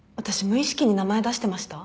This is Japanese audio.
無意識に名前出してました？